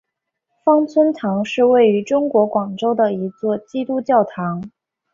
芳村堂是位于中国广州的一座基督教堂。